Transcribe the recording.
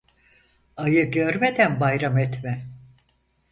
Ayı görmeden bayram etme.